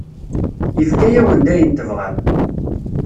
Yefka-awen-d ayen tebɣam.